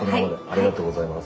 ありがとうございます。